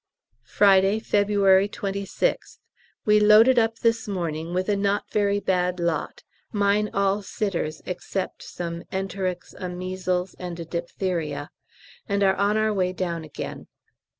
Friday, February 26th. We loaded up this morning with a not very bad lot (mine all sitters except some enterics, a measles, and a diphtheria), and are on our way down again.